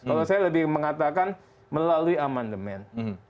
kalau saya lebih mengatakan melalui amandemen